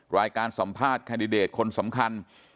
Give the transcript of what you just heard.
รายการสัมภาษณ์แคนดิเดตคนสำคัญ